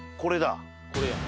これやん。